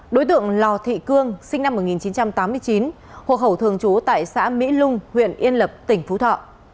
đối tượng lò thị cương sinh năm một nghìn chín trăm tám mươi chín hộ khẩu thường trú tại xã mỹ lung huyện yên lập tỉnh phú thọ